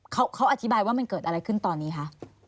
เขาอธิบายว่ามันเกิดอะไรขึ้นตอนนี้คะ